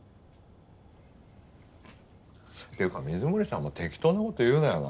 っていうか水森さんも適当な事言うなよな。